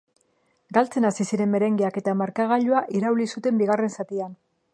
Galtzen hasi ziren merengeak eta markagailua irauli zuten bigarren zatian.